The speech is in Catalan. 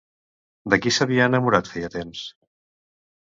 De qui s'havia enamorat feia temps?